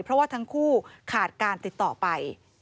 เพราะว่าทั้งคู่ขาดการติดต่อไป